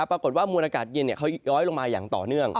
ปรากฏว่ามวลอากาศเย็นเขาย้อยลงมาอย่างต่อเนื่อง